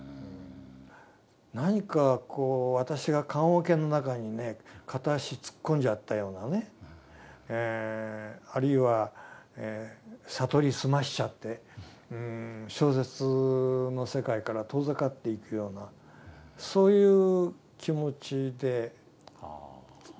何かこう私が棺桶の中にね片足突っ込んじゃったようなねあるいは悟り澄ましちゃって小説の世界から遠ざかっていくようなそういう気持ちででしたね。